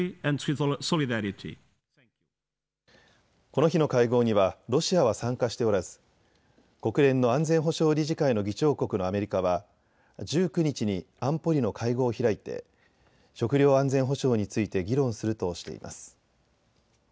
この日の会合にはロシアは参加しておらず国連の安全保障理事会の議長国のアメリカは１９日に安保理の会合を開いて食料安全保障について議論するとしています。